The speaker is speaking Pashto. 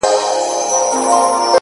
د پيغورونو په مالت کي بې ريا ياري ده؛